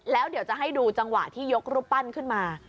แล้วเดี๋ยวจะให้ดูจังหวะที่ยกรูปปั้นขึ้นมา